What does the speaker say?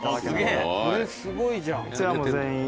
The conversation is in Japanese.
えすごいじゃん。